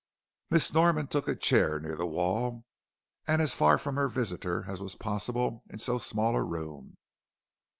Miss Norman took a chair near the wall, and as far from her visitor as was possible in so small a room.